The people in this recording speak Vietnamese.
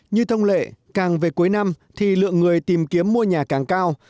như thông lệ càng về cuối năm thì lượng người tìm kiếm mua nhà càng cao